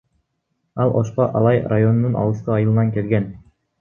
Ал Ошко Алай районунун алыскы айылынан келген.